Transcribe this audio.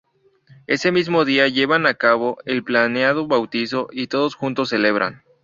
Ese mismo día llevan a cabo el planeado bautizo y todos juntos celebran.